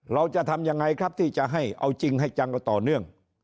เราจะทำยังไงครับที่จะให้เอาจริงให้จังกับต่อเนื่อง